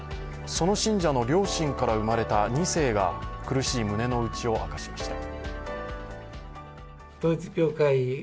その信者の両親から生まれた２世が苦しい胸のうちを明かしました。